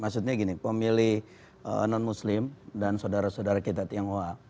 maksudnya gini pemilih non muslim dan sodara sodara kita yang hoa